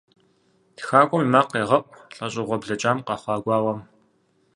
ТхакӀуэм и макъ егъэӀу лӀэщӀыгъуэ блэкӀам къэхъуа гуауэм.